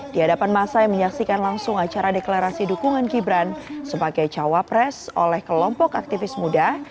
di hadapan masa yang menyaksikan langsung acara deklarasi dukungan gibran sebagai cawapres oleh kelompok aktivis muda